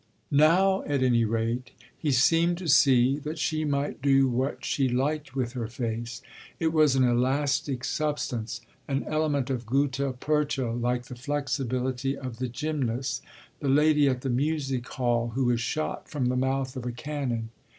Now, at any rate, he seemed to see that she might do what she liked with her face. It was an elastic substance, an element of gutta percha, like the flexibility of the gymnast, the lady at the music hall who is shot from the mouth of a cannon.